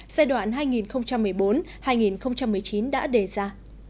giai đoạn hai nghìn một mươi bốn hai nghìn một mươi chín đã đề ra